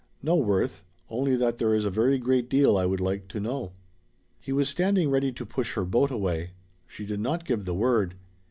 "No, Worth. Only that there is a very great deal I would like to know." He was standing ready to push her boat away. She did not give the word.